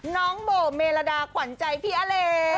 น้องโบเมลดาขวัญใจพี่อเล